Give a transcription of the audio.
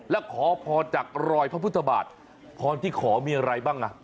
แล้วขอพรจากรอยพระพุทธบาทพรที่ขอมีอะไรบ้างอ่ะ